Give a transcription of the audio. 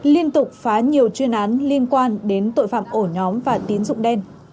liên tục phá nhiều chuyên án liên quan đến tội phạm ổ nhóm và tín dụng đen